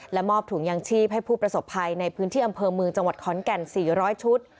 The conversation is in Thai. มอบถุงยางชีพให้ผู้ประสบภัยในพื้นที่อำเภอเมืองจังหวัดขอนแก่น๔๐๐ชุด